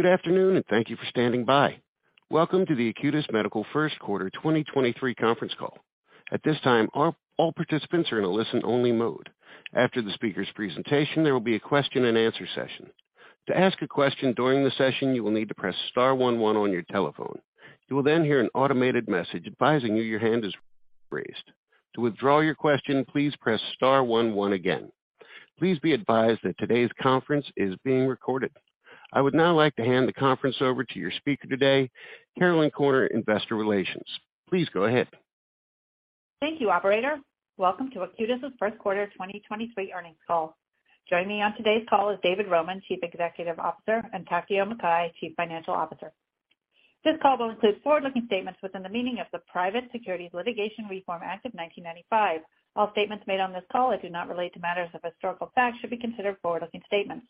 Good afternoon. Thank you for standing by. Welcome to the Acutus Medical First Quarter 2023 conference call. At this time, all participants are in a listen-only mode. After the speaker's presentation, there will be a question-and-answer session. To ask a question during the session, you will need to press star one one on your telephone. You will hear an automated message advising you your hand is raised. To withdraw your question, please press star one one again. Please be advised that today's conference is being recorded. I would now like to hand the conference over to your speaker today, Caroline Corner, Investor Relations. Please go ahead. Thank you, operator. Welcome to Acutus' First Quarter 2023 Earnings Call. Joining me on today's call is David Roman, Chief Executive Officer, and Takeo Mukai, Chief Financial Officer. This call will include forward-looking statements within the meaning of the Private Securities Litigation Reform Act of 1995. All statements made on this call that do not relate to matters of historical fact should be considered forward-looking statements.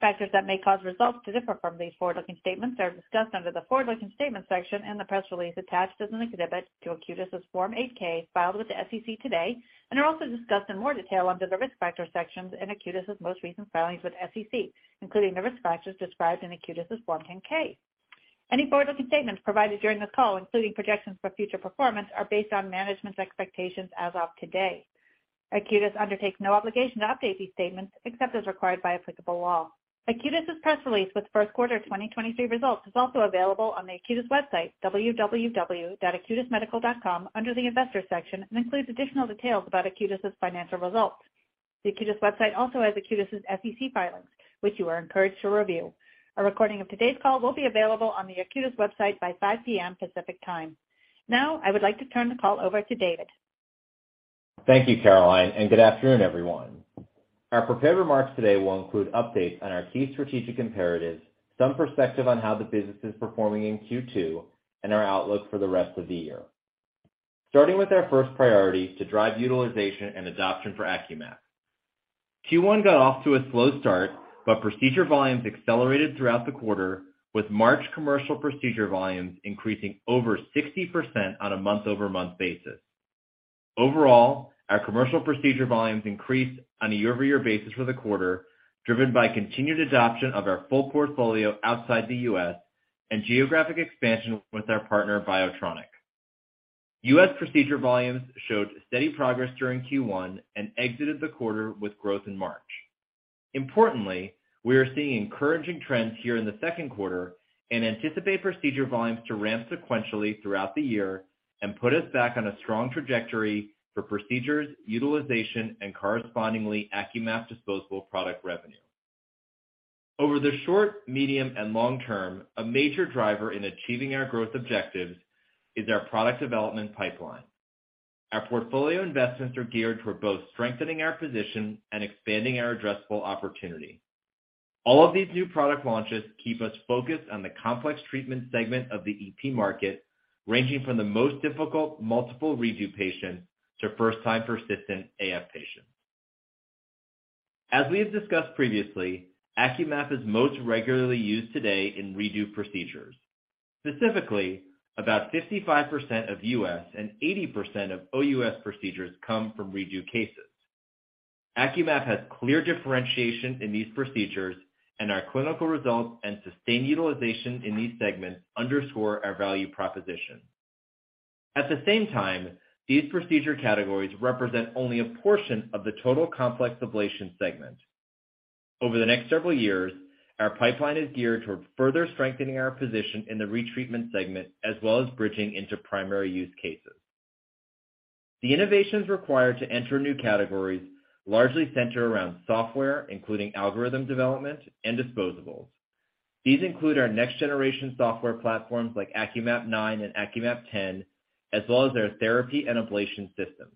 Factors that may cause results to differ from these forward-looking statements are discussed under the forward-looking statements section in the press release attached as an exhibit to Acutus' Form 8-K filed with the SEC today, and are also discussed in more detail under the risk factor sections in Acutus' most recent filings with SEC, including the risk factors described in Acutus' Form 10-K. Any forward-looking statements provided during this call, including projections for future performance, are based on management's expectations as of today. Acutus undertakes no obligation to update these statements except as required by applicable law. Acutus' press release with first quarter 2023 results is also available on the Acutus website, www.acutusmedical.com, under the investor section and includes additional details about Acutus' financial results. The Acutus website also has Acutus' SEC filings, which you are encouraged to review. A recording of today's call will be available on the Acutus website by 5:00 P.M. Pacific Time. I would like to turn the call over to David. Thank you, Caroline, and good afternoon, everyone. Our prepared remarks today will include updates on our key strategic imperatives, some perspective on how the business is performing in Q2, and our outlook for the rest of the year. Starting with our first priority to drive utilization and adoption for AcQMap. Q1 got off to a slow start, but procedure volumes accelerated throughout the quarter, with March commercial procedure volumes increasing over 60% on a month-over-month basis. Overall, our commercial procedure volumes increased on a year-over-year basis for the quarter, driven by continued adoption of our full portfolio outside the US and geographic expansion with our partner, BIOTRONIK. US procedure volumes showed steady progress during Q1 and exited the quarter with growth in March. Importantly, we are seeing encouraging trends here in the second quarter and anticipate procedure volumes to ramp sequentially throughout the year and put us back on a strong trajectory for procedures, utilization, and correspondingly AcQMap disposable product revenue. Over the short, medium, and long term, a major driver in achieving our growth objectives is our product development pipeline. Our portfolio investments are geared toward both strengthening our position and expanding our addressable opportunity. All of these new product launches keep us focused on the complex treatment segment of the EP market, ranging from the most difficult multiple redo patients to first-time persistent AF patients. As we have discussed previously, AcQMap is most regularly used today in redo procedures. Specifically, about 55% of U.S. and 80% of OUS procedures come from redo cases. AcQMap has clear differentiation in these procedures, and our clinical results and sustained utilization in these segments underscore our value proposition. At the same time, these procedure categories represent only a portion of the total complex ablation segment. Over the next several years, our pipeline is geared toward further strengthening our position in the retreatment segment as well as bridging into primary use cases. The innovations required to enter new categories largely center around software, including algorithm development and disposables. These include our next-generation software platforms like AcQMap 9 and AcQMap 10, as well as our therapy and ablation systems.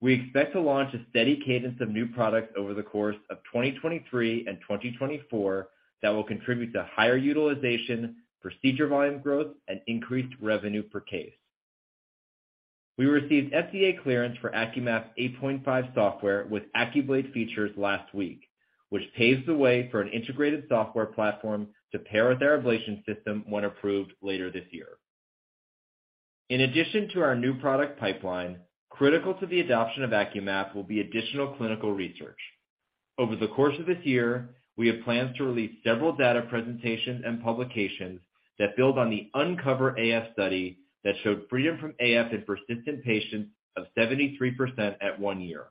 We expect to launch a steady cadence of new products over the course of 2023 and 2024 that will contribute to higher utilization, procedure volume growth, and increased revenue per case. We received FDA clearance for AcQMap 8.5 software with AcQBlate features last week, which paves the way for an integrated software platform to pair with our ablation system when approved later this year. In addition to our new product pipeline, critical to the adoption of AcQMap will be additional clinical research. Over the course of this year, we have plans to release several data presentations and publications that build on the UNCOVER AF study that showed freedom from AF in persistent patients of 73% at one year.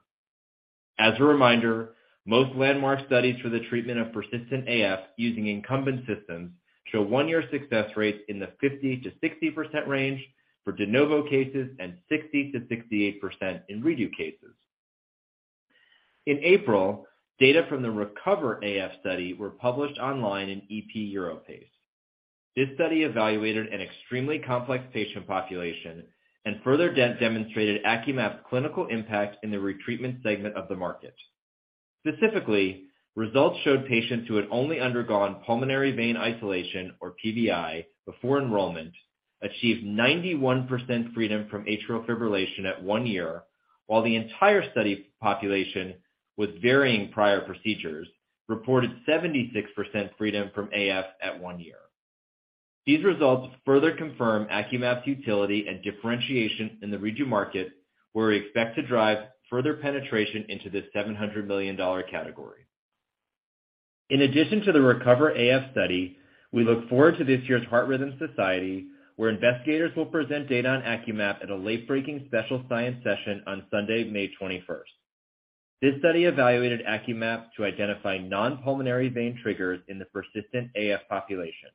As a reminder, most landmark studies for the treatment of persistent AF using incumbent systems show one year success rates in the 50%-60% range for de novo cases and 60%-68% in redo cases. In April, data from the RECOVER AF study were published online in EP Europace. This study evaluated an extremely complex patient population and further demonstrated AcQMap's clinical impact in the retreatment segment of the market. Specifically, results showed patients who had only undergone pulmonary vein isolation or PVI before enrollment achieved 91% freedom from atrial fibrillation at one year, while the entire study population with varying prior procedures reported 76% freedom from AF at one year. These results further confirm AcQMap's utility and differentiation in the RegU market, where we expect to drive further penetration into this $700 million category. In addition to the RECOVER AF study, we look forward to this year's Heart Rhythm Society, where investigators will present data on AcQMap at a late-breaking special science session on Sunday, May 21st. This study evaluated AcQMap to identify non-pulmonary vein triggers in the persistent AF population.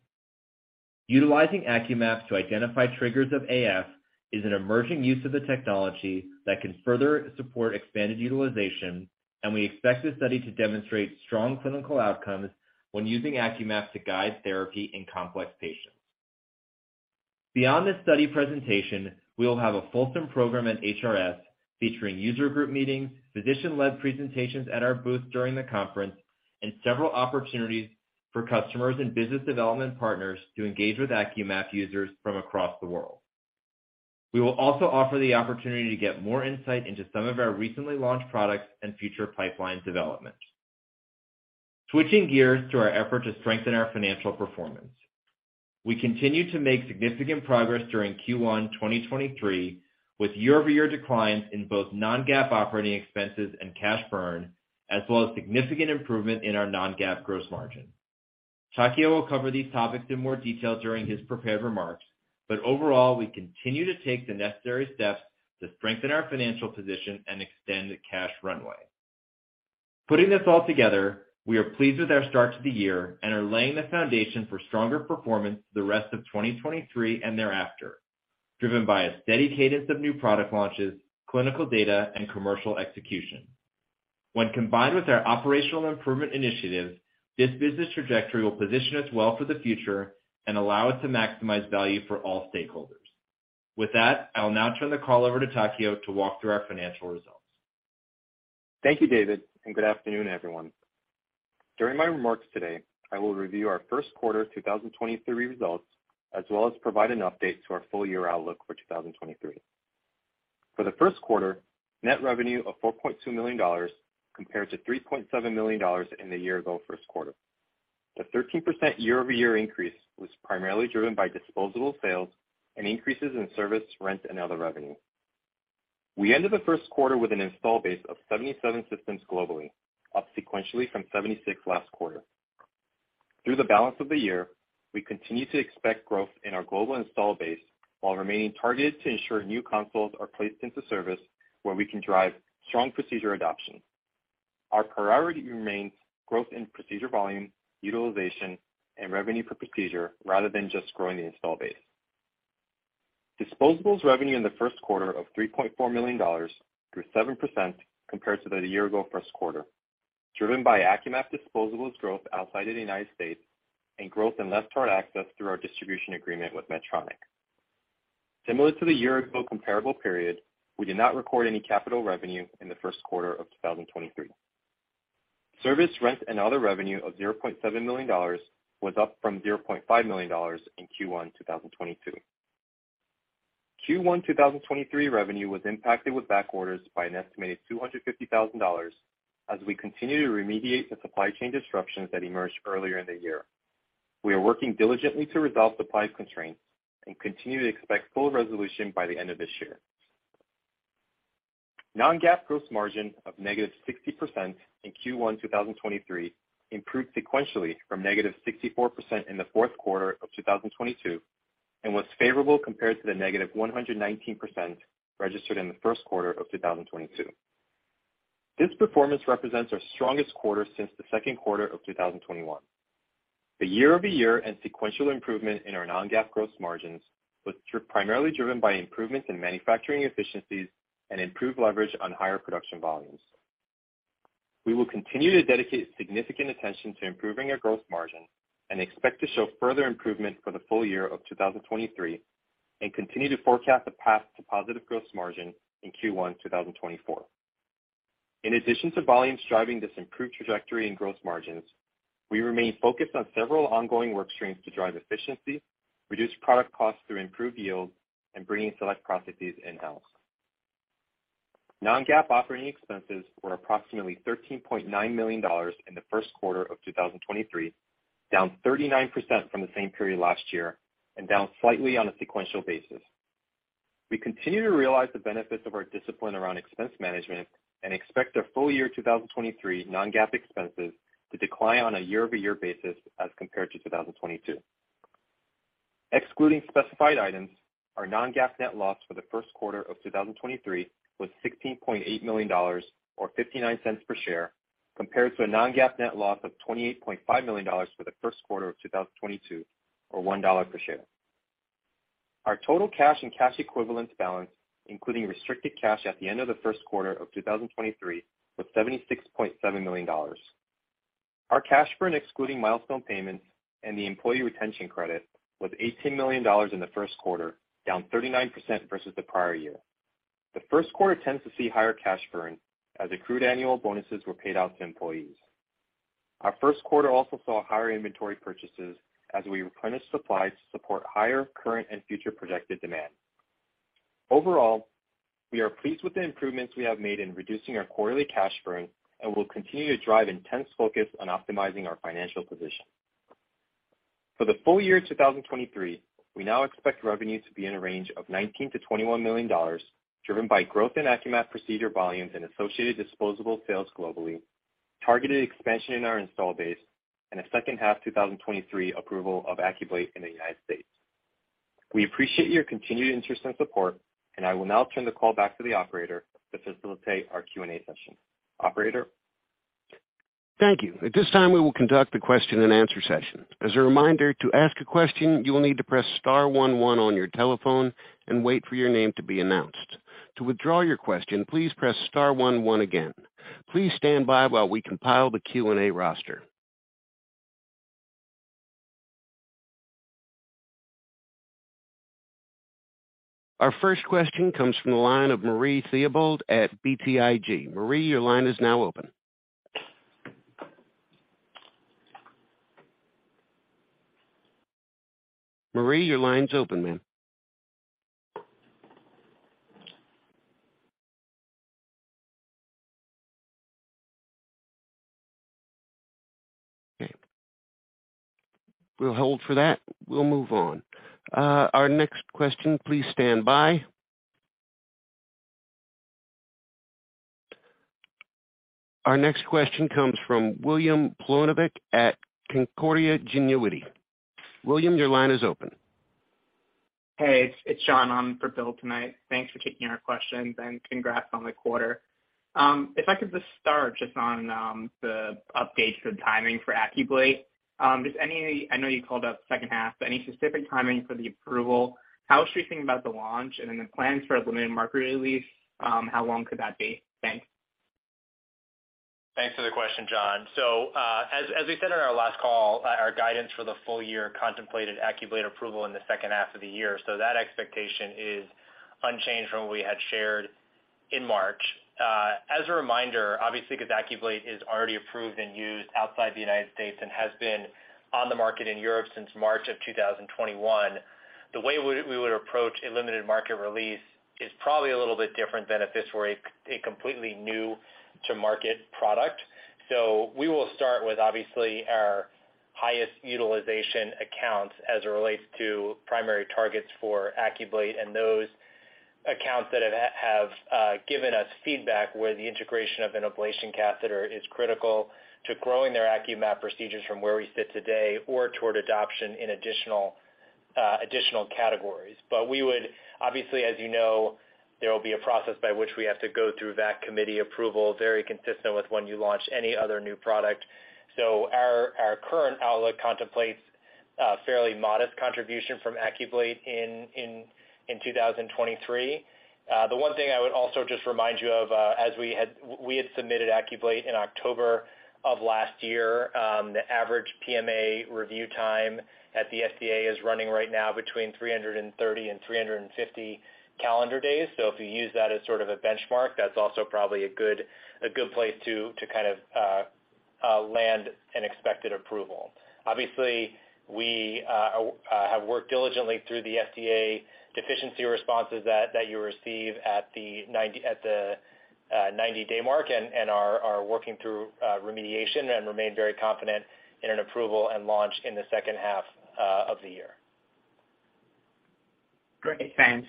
Utilizing AcQMap to identify triggers of AF is an emerging use of the technology that can further support expanded utilization, and we expect this study to demonstrate strong clinical outcomes when using AcQMap to guide therapy in complex patients. Beyond this study presentation, we will have a fulsome program at HRS featuring user group meetings, physician-led presentations at our booth during the conference, and several opportunities for customers and business development partners to engage with AcQMap users from across the world. We will also offer the opportunity to get more insight into some of our recently launched products and future pipeline development. Switching gears to our effort to strengthen our financial performance. We continue to make significant progress during Q1 2023, with year-over-year declines in both non-GAAP operating expenses and cash burn, as well as significant improvement in our non-GAAP gross margin. Takeo will cover these topics in more detail during his prepared remarks. Overall, we continue to take the necessary steps to strengthen our financial position and extend the cash runway. Putting this all together, we are pleased with our start to the year and are laying the foundation for stronger performance the rest of 2023 and thereafter, driven by a steady cadence of new product launches, clinical data, and commercial execution. Combined with our operational improvement initiatives, this business trajectory will position us well for the future and allow us to maximize value for all stakeholders. That, I will now turn the call over to Takeo to walk through our financial results. Thank you, David. Good afternoon, everyone. During my remarks today, I will review our first quarter 2023 results, as well as provide an update to our full-year outlook for 2023. For the first quarter, net revenue of $4.2 million compared to $3.7 million in the year-ago first quarter. The 13% year-over-year increase was primarily driven by disposable sales and increases in service, rent, and other revenue. We ended the first quarter with an install base of 77 systems globally, up sequentially from 76 last quarter. Through the balance of the year, we continue to expect growth in our global install base while remaining targeted to ensure new consoles are placed into service where we can drive strong procedure adoption. Our priority remains growth in procedure volume, utilization, and revenue per procedure rather than just growing the install base. Disposables revenue in the first quarter of $3.4 million grew 7% compared to the year-ago first quarter, driven by AcQMap disposables growth outside of the United States and growth in left heart access through our distribution agreement with Medtronic. Similar to the year-ago comparable period, we did not record any capital revenue in the first quarter of 2023. Service, rent, and other revenue of $0.7 million was up from $0.5 million in Q1 2022. Q1 2023 revenue was impacted with backorders by an estimated $250,000 as we continue to remediate the supply chain disruptions that emerged earlier in the year. We are working diligently to resolve supply constraints and continue to expect full resolution by the end of this year. Non-GAAP gross margin of -60% in Q1 2023 improved sequentially from -64% in Q4 2022 and was favorable compared to the -119% registered in Q1 2022. This performance represents our strongest quarter since Q2 2021. The year-over-year and sequential improvement in our non-GAAP gross margins was primarily driven by improvements in manufacturing efficiencies and improved leverage on higher production volumes. We will continue to dedicate significant attention to improving our gross margin and expect to show further improvement for the full year of 2023 and continue to forecast a path to positive gross margin in Q1 2024. In addition to volumes driving this improved trajectory in growth margins, we remain focused on several ongoing work streams to drive efficiency, reduce product costs through improved yield, and bringing select processes in-house. Non-GAAP operating expenses were approximately $13.9 million in the first quarter of 2023, down 39% from the same period last year and down slightly on a sequential basis. We continue to realize the benefits of our discipline around expense management and expect our full-year 2023 non-GAAP expenses to decline on a year-over-year basis as compared to 2022. Excluding specified items, our non-GAAP net loss for the first quarter of 2023 was $16.8 million or $0.59 per share, compared to a non-GAAP net loss of $28.5 million for the first quarter of 2022, or $1.00 per share. Our total cash and cash equivalents balance, including restricted cash at the end of the first quarter of 2023, was $76.7 million. Our cash burn excluding milestone payments and the Employee Retention Credit was $18 million in the first quarter, down 39% versus the prior year. The first quarter tends to see higher cash burn as accrued annual bonuses were paid out to employees. Our first quarter also saw higher inventory purchases as we replenished supplies to support higher current and future projected demand. Overall, we are pleased with the improvements we have made in reducing our quarterly cash burn. We'll continue to drive intense focus on optimizing our financial position. For the full year 2023, we now expect revenue to be in a range of $19 million-$21 million, driven by growth in AcQMap procedure volumes and associated disposable sales globally, targeted expansion in our install base. A second half 2023 approval of AcQBlate in the United States. We appreciate your continued interest and support. I will now turn the call back to the operator to facilitate our Q&A session. Operator? Thank you. At this time, we will conduct a question-and-answer session. As a reminder, to ask a question, you will need to press star one one on your telephone and wait for your name to be announced. To withdraw your question, please press star one one again. Please stand by while we compile the Q&A roster. Our first question comes from the line of Marie Thibault at BTIG. Marie, your line is now open. Marie, your line is open, ma'am. Okay. We'll hold for that. We'll move on. Our next question, please stand by. Our next question comes from William Plovanic at Canaccord Genuity. William, your line is open. Hey, it's John on for Bill tonight. Thanks for taking our questions, congrats on the quarter. If I could just start just on the updates for the timing for AcQBlate. I know you called out the second half, any specific timing for the approval? How should we think about the launch and then the plans for a limited market release, how long could that be? Thanks. Thanks for the question, John. As we said on our last call, our guidance for the full year contemplated AcQBlate approval in the second half of the year. That expectation is unchanged from what we had shared in March. As a reminder, obviously, because AcQBlate is already approved and used outside the United States and has been on the market in Europe since March of 2021, the way we would approach a limited market release is probably a little bit different than if this were a completely new to market product. We will start with obviously our highest utilization accounts as it relates to primary targets for AcQBlate and those accounts that have given us feedback where the integration of an ablation catheter is critical to growing their AcQMap procedures from where we sit today or toward adoption in additional categories. We would obviously, as you know, there will be a process by which we have to go through that committee approval, very consistent with when you launch any other new product. Our current outlook contemplates a fairly modest contribution from AcQBlate in 2023. The one thing I would also just remind you of, as we had submitted AcQBlate in October of last year. The average PMA review time at the FDA is running right now between 330 and 350 calendar days. If you use that as sort of a benchmark, that's also probably a good, a good place to kind of, land an expected approval. Obviously, we have worked diligently through the FDA deficiency responses that you receive at the 90-day mark and are working through remediation and remain very confident in an approval and launch in the second half of the year. Great. Thanks.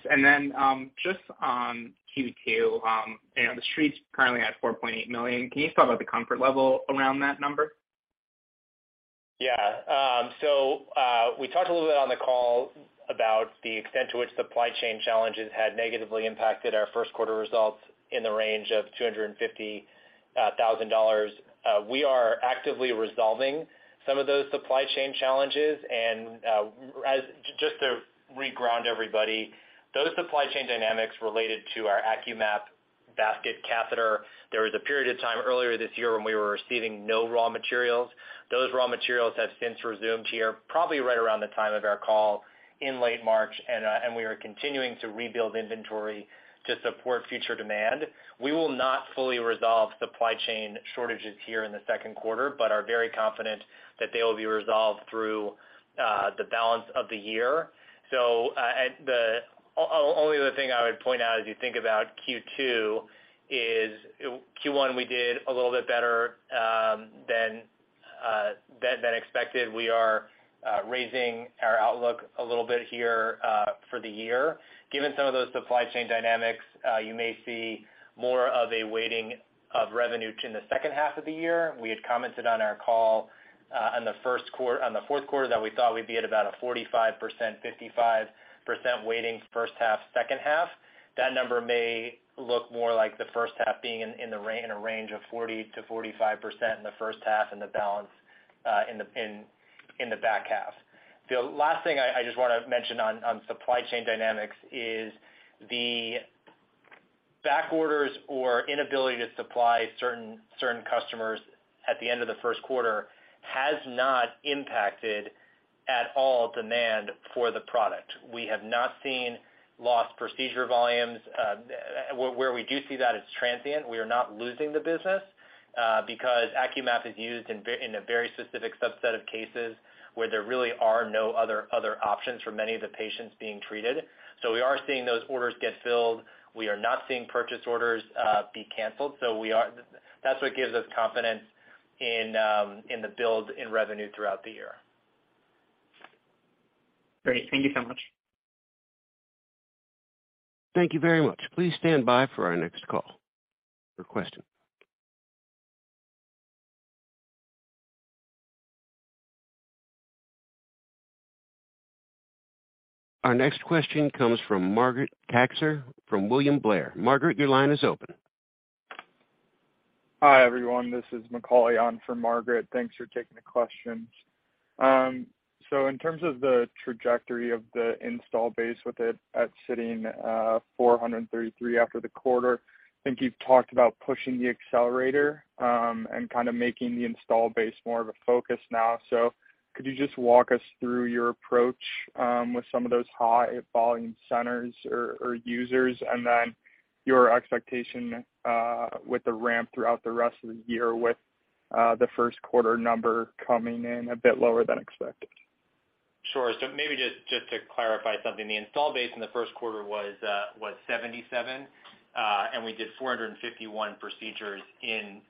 Just on Q2, you know, the Street's currently at $4.8 million. Can you talk about the comfort level around that number? Yeah. We talked a little bit on the call about the extent to which supply chain challenges had negatively impacted our first quarter results in the range of $250,000. We are actively resolving some of those supply chain challenges. Just to reground everybody, those supply chain dynamics related to our AcQMap basket catheter. There was a period of time earlier this year when we were receiving no raw materials. Those raw materials have since resumed here, probably right around the time of our call in late March, and we are continuing to rebuild inventory to support future demand. We will not fully resolve supply chain shortages here in the second quarter, but are very confident that they will be resolved through the balance of the year. The only other thing I would point out as you think about Q2 is Q1 we did a little bit better than expected. We are raising our outlook a little bit here for the year. Given some of those supply chain dynamics, you may see more of a weighting of revenue to in the second half of the year. We had commented on our call on the fourth quarter that we thought we'd be at about a 45%, 55% weighting first half, second half. That number may look more like the first half being in a range of 40%-45% in the first half and the balance in the back half. The last thing I just wanna mention on supply chain dynamics is the back orders or inability to supply certain customers at the end of the first quarter has not impacted at all demand for the product. We have not seen lost procedure volumes. Where we do see that, it's transient. We are not losing the business because AcQMap is used in a very specific subset of cases where there really are no other options for many of the patients being treated. We are seeing those orders get filled. We are not seeing purchase orders be canceled. That's what gives us confidence in the build in revenue throughout the year. Great. Thank you so much. Thank you very much. Please stand by for our next call or question. Our next question comes from Margaret Kaczor from William Blair. Margaret, your line is open. Hi, everyone. This is Macaulay on for Margaret. Thanks for taking the questions. In terms of the trajectory of the install base with it at sitting 433 after the quarter, I think you've talked about pushing the accelerator, and kinda making the install base more of a focus now. Could you just walk us through your approach with some of those high volume centers or users, and then your expectation with the ramp throughout the rest of the year with the first quarter number coming in a bit lower than expected? Sure. Maybe just to clarify something, the install base in the first quarter was 77, and we did 451 procedures in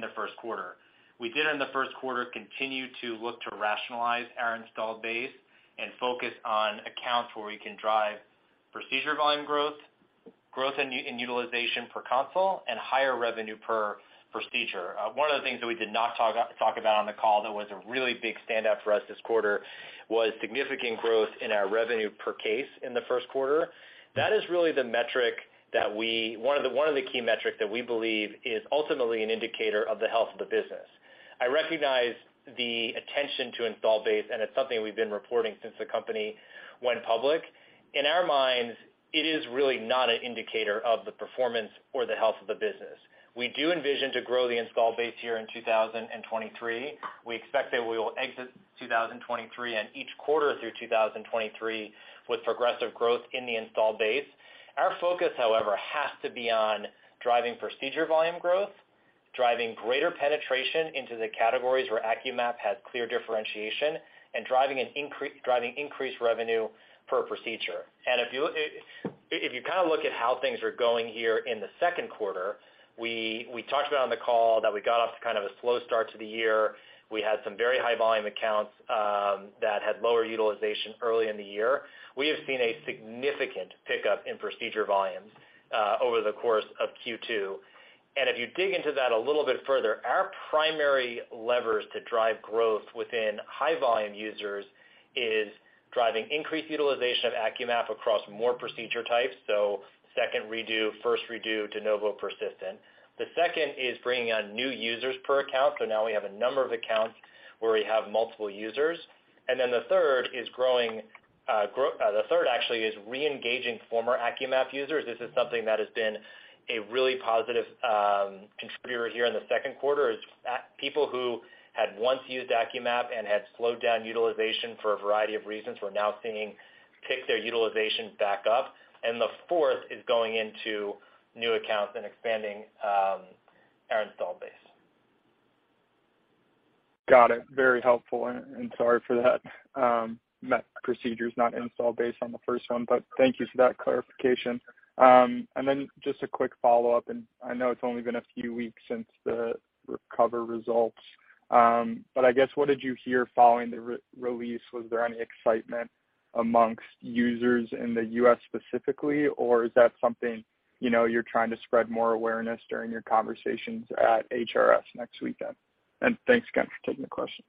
the first quarter. We did in the first quarter continue to look to rationalize our install base and focus on accounts where we can drive procedure volume growth in utilization per console, and higher revenue per procedure. One of the things that we did not talk about on the call that was a really big standout for us this quarter was significant growth in our revenue per case in the first quarter. That is really the metric that one of the key metrics that we believe is ultimately an indicator of the health of the business. I recognize the attention to install base, and it's something we've been reporting since the company went public. In our minds, it is really not an indicator of the performance or the health of the business. We do envision to grow the install base here in 2023. We expect that we will exit 2023 and each quarter through 2023 with progressive growth in the install base. Our focus, however, has to be on driving procedure volume growth, driving greater penetration into the categories where AcQMap has clear differentiation, and driving increased revenue per procedure. If you kind of look at how things are going here in the second quarter, we talked about on the call that we got off to kind of a slow start to the year. We had some very high volume accounts, that had lower utilization early in the year. We have seen a significant pickup in procedure volumes over the course of Q2. If you dig into that a little bit further, our primary levers to drive growth within high volume users is driving increased utilization of AcQMap across more procedure types. So second redo, first redo, de novo, persistent. The second is bringing on new users per account. Now we have a number of accounts where we have multiple users. Then the third is growing, the third actually is reengaging former AcQMap users. This is something that has been a really positive contributor here in the second quarter. It's people who had once used AcQMap and had slowed down utilization for a variety of reasons, we're now seeing pick their utilization back up. The fourth is going into new accounts and expanding, our install base. Got it. Very helpful, and sorry for that. Met procedures, not install base on the first one, but thank you for that clarification. Just a quick follow-up, and I know it's only been a few weeks since the RECOVER results. I guess, what did you hear following the re-release? Was there any excitement amongst users in the US specifically, or is that something, you know, you're trying to spread more awareness during your conversations at HRS next weekend? Thanks again for taking the questions.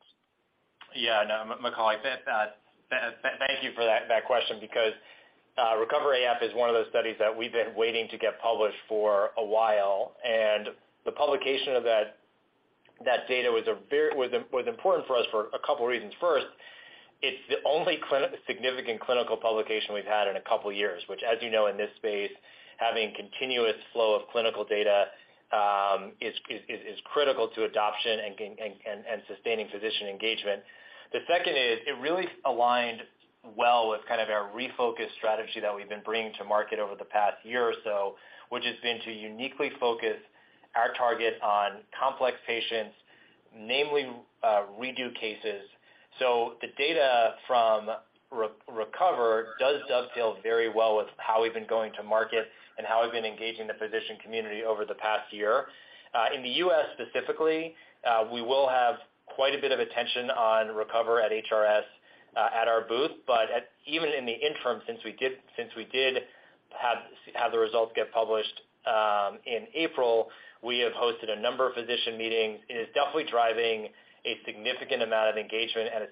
Yeah. No, Macaulay, thank you for that question because RECOVER AF is one of those studies that we've been waiting to get published for a while. The publication of that data was important for us for a couple reasons. First, it's the only significant clinical publication we've had in a couple years, which as you know in this space, having continuous flow of clinical data is critical to adoption and sustaining physician engagement. The second is it really aligned well with kind of our refocused strategy that we've been bringing to market over the past year or so, which has been to uniquely focus our target on complex patients, namely, redo cases. The data from RECOVER does dovetail very well with how we've been going to market and how we've been engaging the physician community over the past year. In the U.S. specifically, we will have quite a bit of attention on RECOVER at HRS at our booth. Even in the interim, since we did have the results get published in April, we have hosted a number of physician meetings. It is definitely driving a significant amount of engagement and a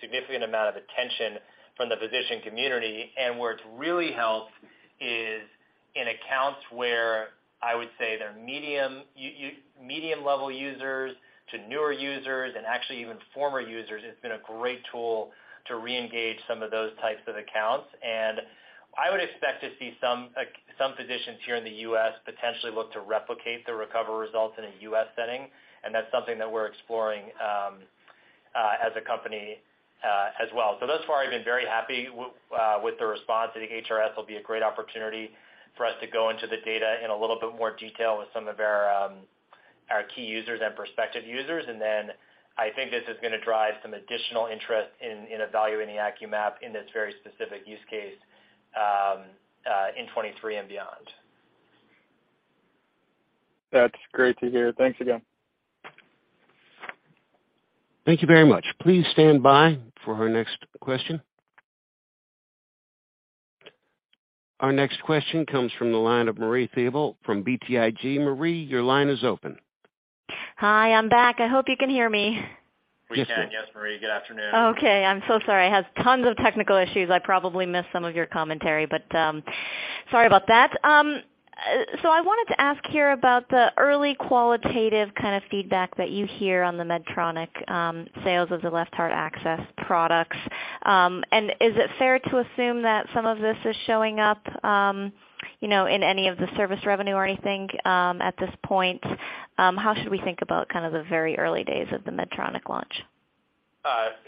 significant amount of attention from the physician community. Where it's really helped is in accounts where I would say they're medium-level users to newer users and actually even former users. It's been a great tool to reengage some of those types of accounts. I would expect to see some physicians here in the U.S. potentially look to replicate the RECOVER results in a U.S. setting, and that's something that we're exploring, as a company, as well. Thus far I've been very happy with the response. I think HRS will be a great opportunity for us to go into the data in a little bit more detail with some of our key users and prospective users. Then I think this is gonna drive some additional interest in evaluating the AcQMap in this very specific use case, in 2023 and beyond. That's great to hear. Thanks again. Thank you very much. Please stand by for our next question. Our next question comes from the line of Marie Thibault from BTIG. Marie, your line is open. Hi, I'm back. I hope you can hear me. We can, yes, Marie. Good afternoon. I'm so sorry. I had tons of technical issues. I probably missed some of your commentary, sorry about that. I wanted to ask here about the early qualitative kind of feedback that you hear on the Medtronic sales of the left heart access products. Is it fair to assume that some of this is showing up, you know, in any of the service revenue or anything at this point? How should we think about kind of the very early days of the Medtronic launch?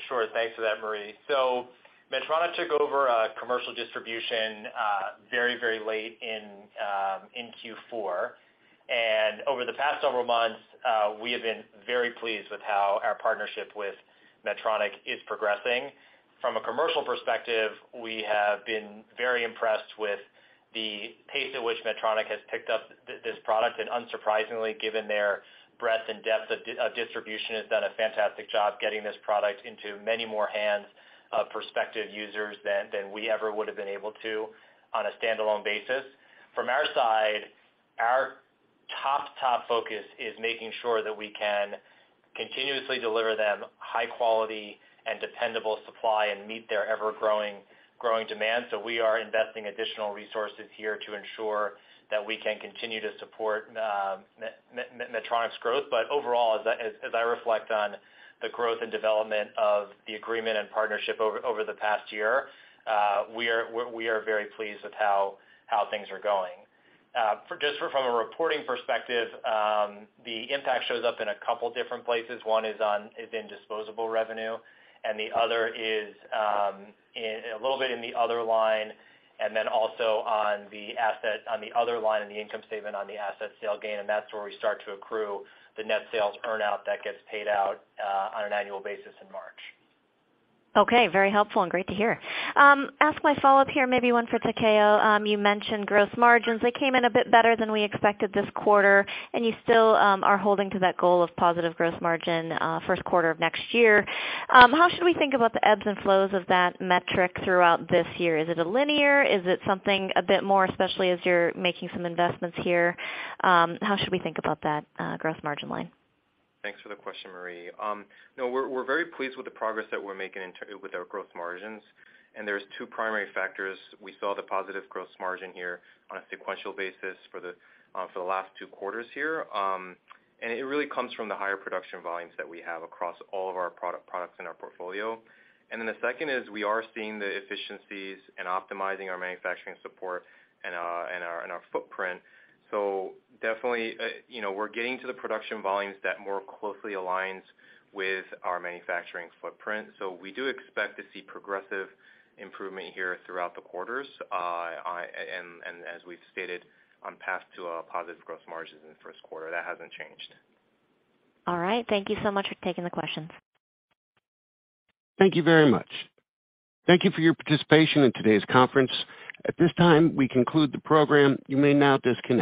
Sure. Thanks for that, Marie. Medtronic took over commercial distribution very late in Q4. Over the past several months, we have been very pleased with how our partnership with Medtronic is progressing. From a commercial perspective, we have been very impressed with the pace at which Medtronic has picked up this product, and unsurprisingly, given their breadth and depth of distribution, has done a fantastic job getting this product into many more hands of prospective users than we ever would've been able to on a standalone basis. From our side, our top focus is making sure that we can continuously deliver them high quality and dependable supply and meet their ever-growing demand. We are investing additional resources here to ensure that we can continue to support Medtronic's growth. Overall, as I reflect on the growth and development of the agreement and partnership over the past year, we are very pleased with how things are going. Just from a reporting perspective, the impact shows up in a couple different places. One is in disposable revenue, and the other is in a little bit in the other line and then also on the asset on the other line in the income statement on the asset sale gain, and that's where we start to accrue the net sales earn out that gets paid out on an annual basis in March. Okay, very helpful and great to hear. ask my follow-up here, maybe one for Takeo? You mentioned gross margins. They came in a bit better than we expected this quarter, and you still are holding to that goal of positive gross margin, first quarter of next year. How should we think about the ebbs and flows of that metric throughout this year? Is it a linear? Is it something a bit more, especially as you're making some investments here? How should we think about that gross margin line? Thanks for the question, Marie. No, we're very pleased with the progress that we're making with our growth margins, and there's two primary factors. We saw the positive gross margin here on a sequential basis for the last two quarters here. It really comes from the higher production volumes that we have across all of our products in our portfolio. The second is we are seeing the efficiencies in optimizing our manufacturing support and our footprint. Definitely, you know, we're getting to the production volumes that more closely aligns with our manufacturing footprint. We do expect to see progressive improvement here throughout the quarters. As we've stated on path to a positive growth margins in the first quarter, that hasn't changed. All right. Thank you so much for taking the questions. Thank you very much. Thank you for your participation in today's conference. At this time, we conclude the program. You may now disconnect.